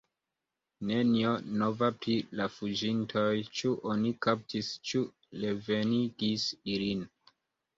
Nenio nova pri la fuĝintoj: ĉu oni kaptis, ĉu revenigis ilin?